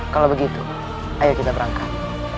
kalau begitu ayo kita berangkat